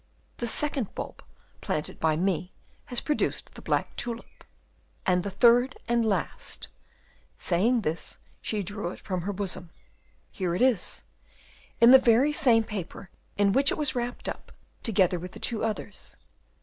The second bulb, planted by me, has produced the black tulip, and the third and last" saying this, she drew it from her bosom "here it is, in the very same paper in which it was wrapped up together with the two others.